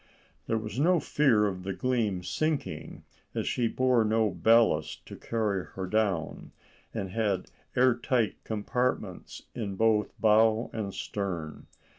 There was no fear of the Gleam sinking, as she bore no ballast to carry her down, and had air tight compartments in both bow and stern.